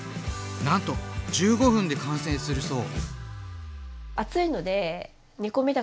なんと１５分で完成するそう！